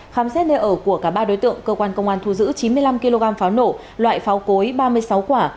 khám xét nơi ở của cả ba đối tượng cơ quan công an thu giữ chín mươi năm kg pháo nổ loại pháo cối ba mươi sáu quả